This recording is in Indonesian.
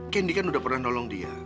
kendi kan udah pernah nolong dia